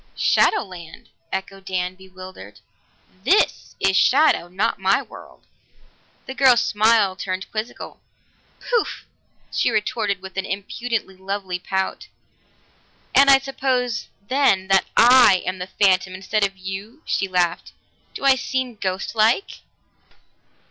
"Shadow land?" echoed Dan, bewildered. "This is shadow, not my world." The girl's smile turned quizzical. "Poof!" she retorted with an impudently lovely pout. "And I suppose, then, that I am the phantom instead of you!" She laughed. "Do I seem ghostlike?"